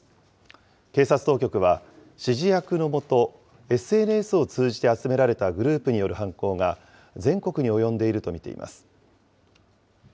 警察当局は、指示役のもと、ＳＮＳを通じて集められたグループによる犯行が全国に及んでいると見ています。